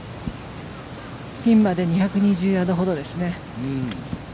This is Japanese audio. ピンまで２２０ヤードほどですね。